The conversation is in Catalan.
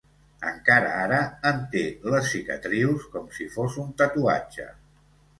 Encara ara en té les cicatrius, com si fos un tatuatge.